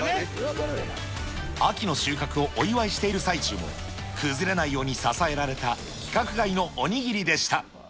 秋の収穫をお祝いしている最中も、崩れないように支えられた規格外のお握りでした。